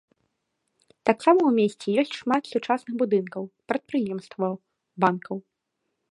Таксама ў месце ёсць шмат сучасных будынкаў прадпрыемстваў, банкаў.